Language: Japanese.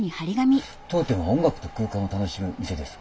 「当店は音楽と空間を楽しむ店です。